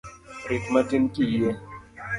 Rit matin kiyie.